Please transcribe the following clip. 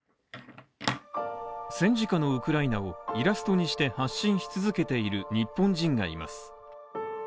戦時下のウクライナをイラストにして発信し続けている日本人がいます。